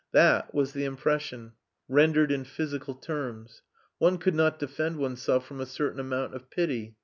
That was the impression, rendered in physical terms. One could not defend oneself from a certain amount of pity.